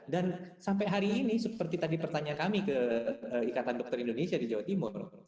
dan sampai hari ini seperti tadi pertanyaan kami ke ikatan dokter indonesia di jawa timur